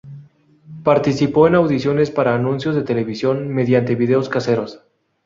Participó en audiciones para anuncios de televisión mediante videos caseros.